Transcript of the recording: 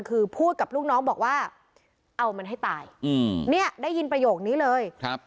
คือพูดกับลูกน้องบอกว่าเอามันให้ตายอืมเนี่ยได้ยินประโยคนี้เลยครับ